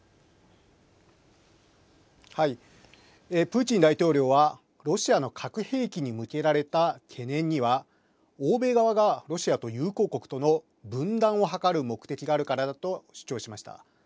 プーチン大統領はロシアの核兵器に向けられた懸念には欧米側がロシアと友好国との分断を図る目的があるからだと主張しました。